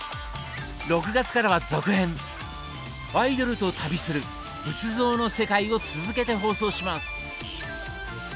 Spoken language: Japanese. ６月からは続編「アイドルと旅する仏像の世界」を続けて放送します！